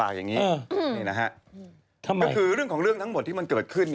ก็คือเรื่องทั้งหมดที่มันเกิดขึ้น